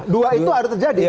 dua itu harus terjadi